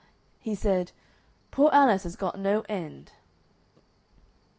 "He said, 'Poor Alice has got no end!